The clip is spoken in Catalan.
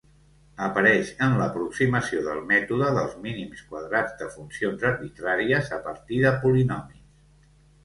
Apareix en l'aproximació del mètode dels mínims quadrats de funcions arbitràries a partir de polinomis.